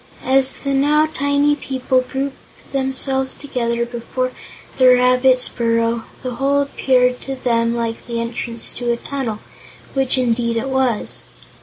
As the now tiny people grouped themselves before the rabbit's burrow the hole appeared to them like the entrance to a tunnel, which indeed it was.